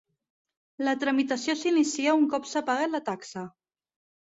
La tramitació s'inicia un cop s'ha pagat la taxa.